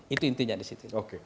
itu intinya di situ